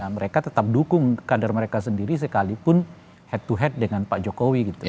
mereka tetap dukung kader mereka sendiri sekalipun head to head dengan pak jokowi gitu